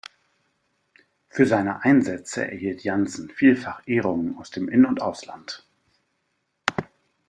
Für seine Einsätze erhielt Jantzen vielfach Ehrungen aus dem In- und Ausland.